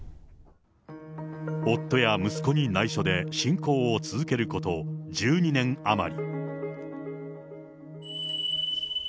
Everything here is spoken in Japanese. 夫や息子にないしょで、信仰を続けること１２年余り。